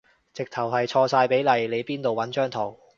直頭係錯晒比例，你邊度搵張圖